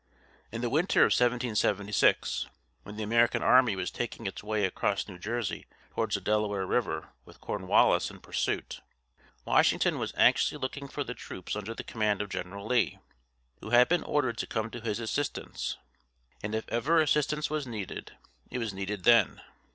In the winter of 1776, when the American army was taking its way across New Jersey towards the Delaware River with Cornwallis in pursuit, Washington was anxiously looking for the troops under the command of General Lee, who had been ordered to come to his assistance; and if ever assistance was needed, it was needed then.